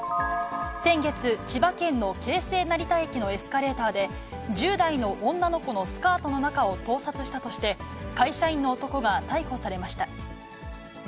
先月、千葉県の京成成田駅のエスカレーターで、１０代の女の子のスカートの中を盗撮したとして、会社員の男が逮捕されました。